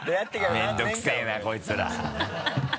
面倒くせぇなこいつら。